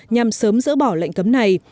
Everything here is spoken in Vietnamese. nhằm sớm dỡ bỏ lệnh cấm này